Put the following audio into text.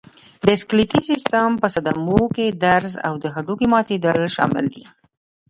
د سکلېټي سیستم په صدمو کې درز او د هډوکو ماتېدل شامل دي.